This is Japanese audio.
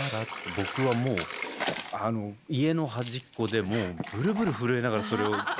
僕はもう家の端っこでもうブルブル震えながらそれを見て。